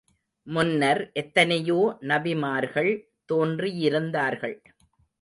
முன்னர், எத்தனையோ நபிமார்கள் தோன்றியிருந்தார்கள்.